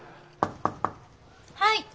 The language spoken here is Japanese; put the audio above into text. はい。